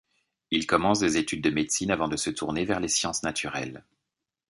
Il commence des études de médecine avant de se tourner vers les sciences naturelles.